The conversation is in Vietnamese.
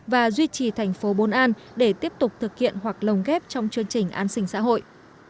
và duy trì thành phố bốn an để tiếp tục thực hiện hoặc lồng ghép trong chương trình an sinh xã hội